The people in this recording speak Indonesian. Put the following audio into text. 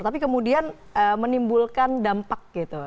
tapi kemudian menimbulkan dampak gitu